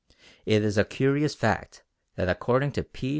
It is a curious fact that according to P.